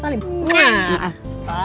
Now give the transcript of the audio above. salim dulu salim